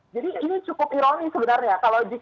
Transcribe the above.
jadi ini cukup ironi sebenarnya